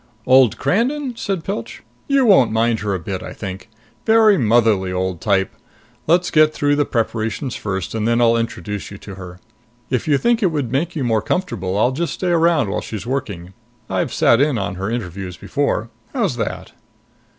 "Old Cranadon?" said Pilch. "You won't mind her a bit, I think. Very motherly old type. Let's get through the preparations first, and then I'll introduce you to her. If you think it would make you more comfortable, I'll just stay around while she's working. I've sat in on her interviews before. How's that?"